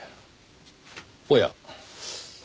おや。